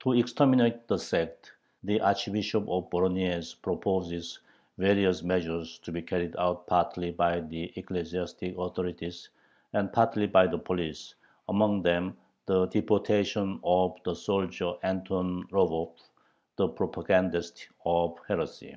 To exterminate the sect, the Archbishop of Voronyezh proposes various measures, to be carried out partly by the ecclesiastic authorities and partly by the police, among them the deportation of the soldier Anton Rogov, the propagandist of the heresy.